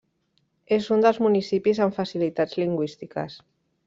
És un dels municipis amb facilitats lingüístiques.